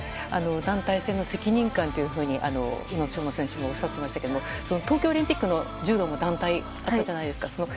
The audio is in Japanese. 団体戦の責任感というふうに宇野昌磨選手もおっしゃっていましたけど東京オリンピックの柔道も団体あったじゃないですか。